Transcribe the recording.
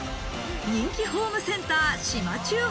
人気ホームセンター島忠